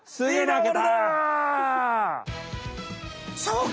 そうか。